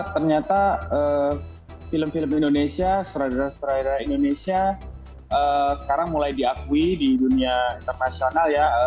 ternyata film film indonesia surada sutradara indonesia sekarang mulai diakui di dunia internasional ya